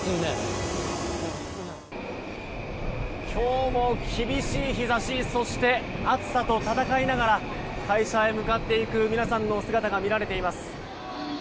今日も厳しい日差しそして、暑さと戦いながら会社へ向かっていく皆さんのお姿が見られています。